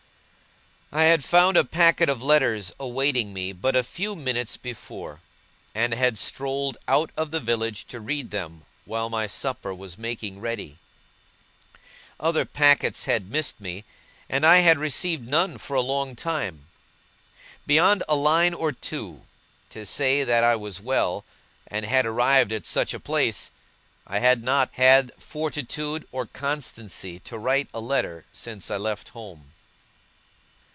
I had found a packet of letters awaiting me but a few minutes before, and had strolled out of the village to read them while my supper was making ready. Other packets had missed me, and I had received none for a long time. Beyond a line or two, to say that I was well, and had arrived at such a place, I had not had fortitude or constancy to write a letter since I left home.